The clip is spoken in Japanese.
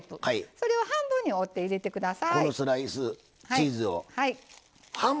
それを半分に折って入れてください。